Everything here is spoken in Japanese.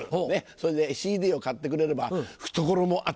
それでＣＤを買ってくれれば懐も温まる。